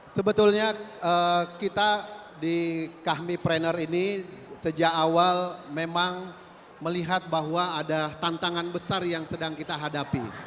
sebetulnya kita di kahmi prener ini sejak awal memang melihat bahwa ada tantangan besar yang sedang kita hadapi